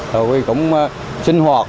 rồi quên cũng sinh hoạt